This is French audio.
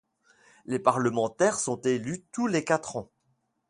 Les parlementaires sont élus tous les quatre ans.